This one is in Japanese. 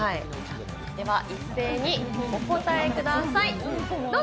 では、一斉にお答えください。